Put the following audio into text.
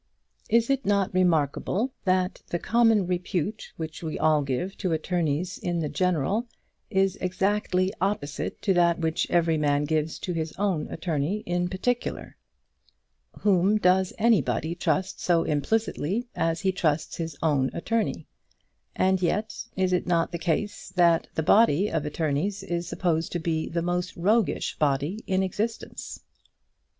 Is it not remarkable that the common repute which we all give to attorneys in the general is exactly opposite to that which every man gives to his own attorney in particular? Whom does anybody trust so implicitly as he trusts his own attorney? And yet is it not the case that the body of attorneys is supposed to be the most roguish body in existence?